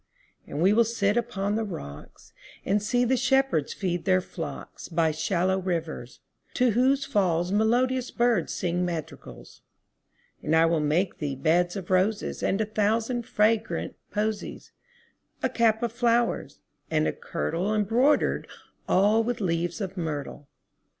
And we will sit upon the rocks, 5 And see the shepherds feed their flocks By shallow rivers, to whose falls Melodious birds sing madrigals. And I will make thee beds of roses And a thousand fragrant posies; 10 A cap of flowers, and a kirtle Embroider'd all with leaves of myrtle.